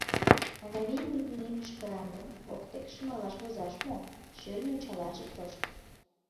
— Агавий мый денем мӱшкыран гын, воктекше малаш возаш мо, шӧрын ончалаш ит тошт!..